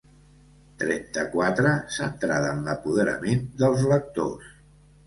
Trenta-quatre centrada en l'apoderament dels lectors.